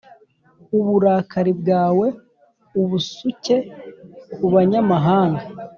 Uburakari bwawe ubusuke ku banyamahanga